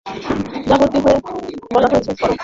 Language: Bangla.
যা করতে বলা হয়েছে কর।